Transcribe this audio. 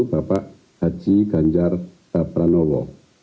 bapak haji ganjar pranowo